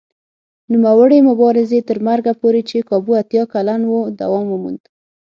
نوموړي مبارزې تر مرګه پورې چې کابو اتیا کلن و دوام وموند.